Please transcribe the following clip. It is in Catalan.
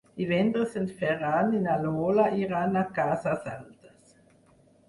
Divendres en Ferran i na Lola iran a Cases Altes.